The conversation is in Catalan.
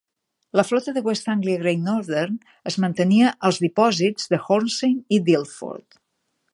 La flota de West Anglia Great Northern es mantenia als dipòsits de Hornsey i d'Ilford.